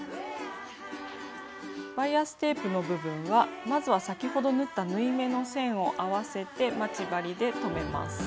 バイアステープの部分はまずは先ほど縫った縫い目の線を合わせて待ち針で留めます。